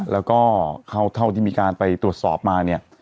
แล้วก็เท่าที่มีการไปตรวจสอบมาเนี่ย